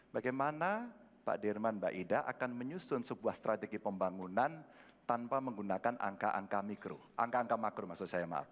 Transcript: bagaimana pak dirman mbak ida akan menyusun sebuah strategi pembangunan tanpa menggunakan angka angka makro